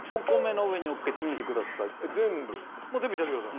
もう全部いっちゃってください。